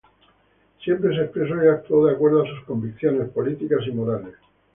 Siempre se expresó y actuó de acuerdo a sus convicciones políticas y morales.